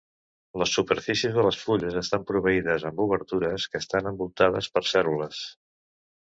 Les superfícies de les fulles estan proveïdes amb obertures que estan envoltades per cèl·lules.